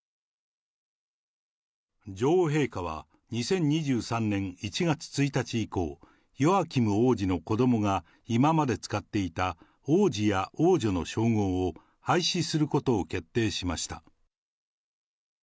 女王陛下は、２０２３年１月１日以降、ヨアキム王子の子どもが、今まで使っていた王子や王女の称号を廃止することを決定しました。